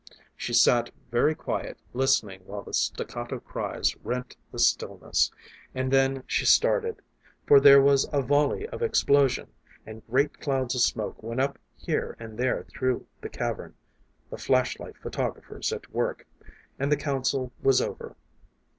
She sat very quiet listening while the staccato cries rent the stillness; and then she started, for there was a volley of explosion, and great clouds of smoke went up here and there through the cavern the flash light photographers at work and the council was over.